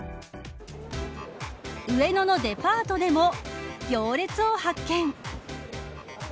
上野のデパートでも行列を発見。